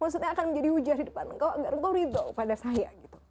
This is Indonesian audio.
maksudnya akan menjadi hujah di depan engkau agar engkau ridau pada saya gitu